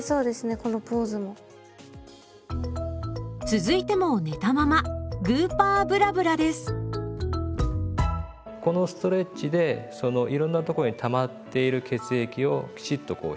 続いても寝たままこのストレッチでいろんなところにたまっている血液をきちっとこう